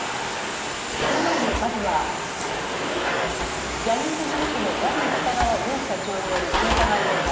その前に、まずはジャニーズ事務所のジャニー喜多川社長による性加害問題。